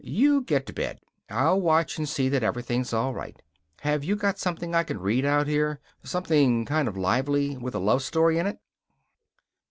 You get to bed. I'll watch and see that everything's all right. Have you got something I can read out here something kind of lively with a love story in it?"